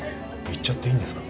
言っちゃっていいんですか？